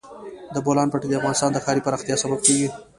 د بولان پټي د افغانستان د ښاري پراختیا سبب کېږي.